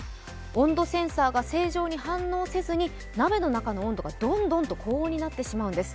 温度センサーが正常に反応せずに鍋の中の温度がどんどん高温になってしまうんです。